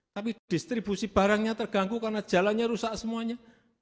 tapi distribusi barangnya terganggu karena jalannya rusak semuanya